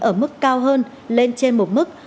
ở mức cao hơn lên trên một mức